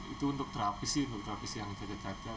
itu untuk terapi sih